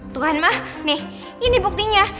tuhan mah nih ini buktinya